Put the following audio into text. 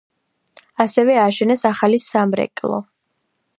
ასევე ააშენეს ახალი სამრეკლო.